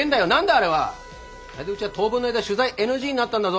あれでうちは当分の間取材ＮＧになったんだぞ。